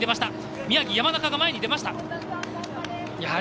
宮城、山中が前に出ました。